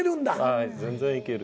はい全然いける。